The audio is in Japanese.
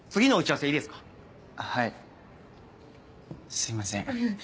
すいません。